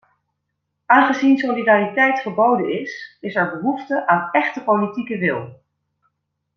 Aangezien solidariteit geboden is, is er behoefte aan echte politieke wil.